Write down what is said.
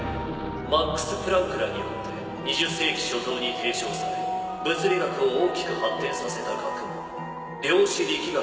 マックス・プランクらによって２０世紀初頭に提唱され物理学を大きく発展させた学問量子力学とは何か？